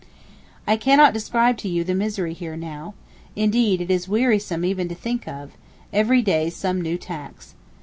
I cannot describe to you the misery here now, indeed it is wearisome even to think of: every day some new tax.